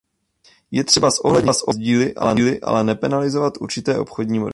Je třeba zohlednit rozdíly, ale nepenalizovat určité obchodní modely.